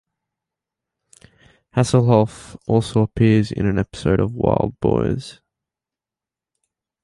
Hasselhoff also appears in an episode of "Wildboyz".